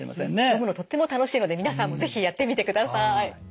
読むのとっても楽しいので皆さんも是非やってみてください。